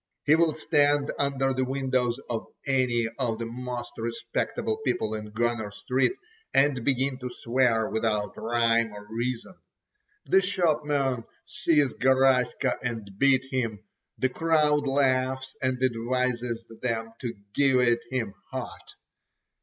He will stand under the windows of any of the most respectable people in Gunner Street, and begin to swear without rhyme or reason. The shopmen seize Garaska and beat him—the crowd laughs and advises them to give it him hot.